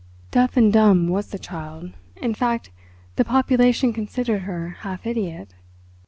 "... Deaf and dumb was the child; in fact, the population considered her half idiot...."